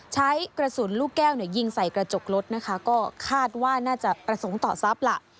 ใช้กระสุนลูกแก้วเนี่ยยิงใส่กระจกรถนะคะก็คาดว่าน่าจะประสงค์ต่อทรัพย์ล่ะ